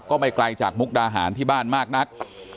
ก็ไม่ไกลจากมุกดาหารที่บ้านมากนัก